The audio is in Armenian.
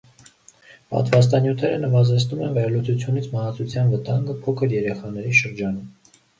Պատվաստանյութերը նվազեցնում են փորլուծությունից մահացության վտանգը փոքր երեխաների շրջանում։